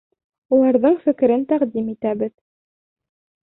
Уларҙың фекерҙәрен тәҡдим итәбеҙ.